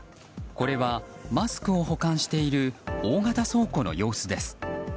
これはマスクを保管している大型倉庫の様子です。